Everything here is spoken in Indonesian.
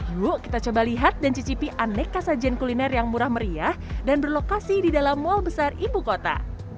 yuk kita coba lihat dan cicipi aneka sajian kuliner yang murah meriah dan berlokasi di dalam mal besar ibu kota